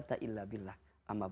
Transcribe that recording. waalaikumsalam wr wb